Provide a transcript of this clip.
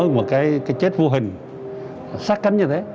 tiếp xúc với một cái chết vô hình sát cánh như thế